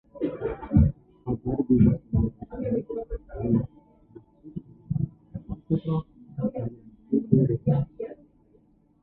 Xabar biznesini yaratgan va maxsus xizmatlardan ham ko‘proq ma’lumotga ega Reuters